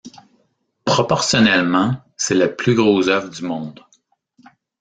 Proportionnellement, c'est le plus gros œuf du monde.